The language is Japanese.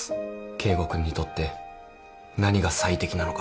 圭吾君にとって何が最適なのか。